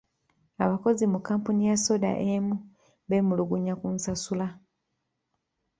Abakozi mu kkampuni ya soda emu beemulugunya ku nsasula.